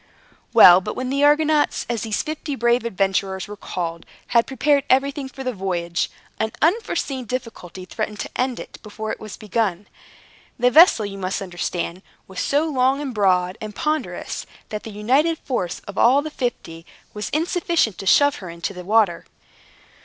Well! But when the Argonauts, as these fifty brave adventurers were called, had prepared everything for the voyage, an unforeseen difficulty threatened to end it before it was begun. The vessel, you must understand, was so long, and broad, and ponderous, that the united force of all the fifty was insufficient to shove her into the water.